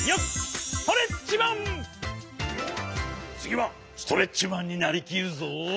つぎはストレッチマンになりきるぞ！